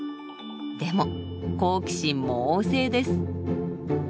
でも好奇心も旺盛です。